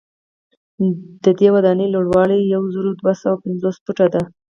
ددې ودانۍ لوړوالی یو زر دوه سوه پنځوس فوټه دی.